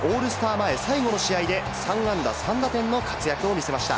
前最後の試合で、３安打３打点の活躍を見せました。